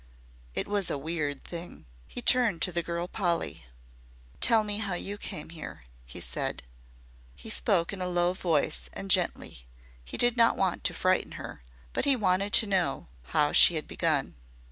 It was a weird thing. He turned to the girl Polly. "Tell me how you came here," he said. He spoke in a low voice and gently. He did not want to frighten her, but he wanted to know how SHE had begun.